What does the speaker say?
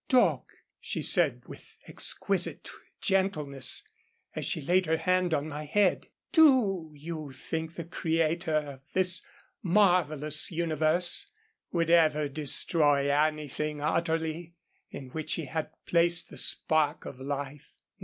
"Dog," she said with exquisite gentleness, as she laid her hand on my head, "do you think the Creator of this marvellous universe, would ever destroy anything utterly, in which he had placed the spark of life?